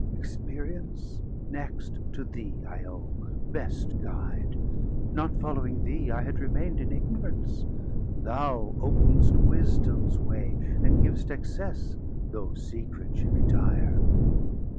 Experience, next to thee I owe, Best guide; not following thee, I had remaind In ignorance, thou op'nst Wisdoms way, And giv'st access, though secret she retire.